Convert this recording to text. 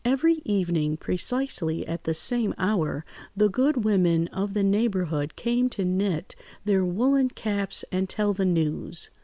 Every evening, precisely at the same hour, the good women of the neighbourhood came to knit their woollen caps and tell the news.